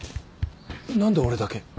何で俺だけ？